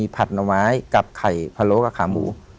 ผัดหน่อไม้กับไข่พะโล้กับขาหมู